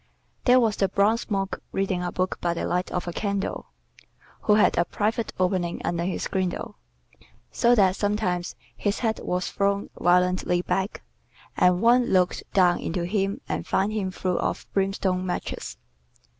There was the bronze monk reading a book by the light of a candle, who had a private opening under his girdle, so that sometimes his head was thrown violently back, and one looked down into him and found him full of brimstone matches.